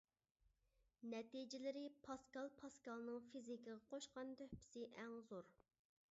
نەتىجىلىرى پاسكال پاسكالنىڭ فىزىكىغا قوشقان تۆھپىسى ئەڭ زور.